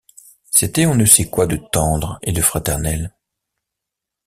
C’était on ne sait quoi de tendre et de fraternel.